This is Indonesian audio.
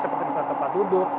seperti misalnya tempat duduk